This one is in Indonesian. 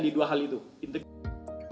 di dua hal itu